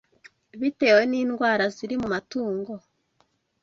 Bitewe n’indwara ziri mu matungo